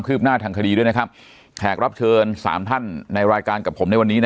หน้าทางคดีด้วยนะครับแขกรับเชิญ๓ท่านในรายการกับผมในวันนี้